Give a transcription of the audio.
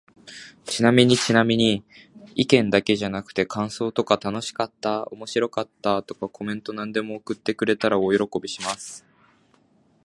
ちなみにちなみに、意見だけじゃなくて感想とか楽しかった〜おもろかった〜とか、コメントなんでも送ってくれたら大喜びします。